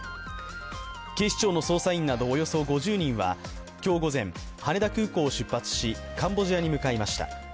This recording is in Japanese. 警視庁の捜査員などおよそ５０人は今日午前、羽田空港を出発し、カンボジアに向かいました。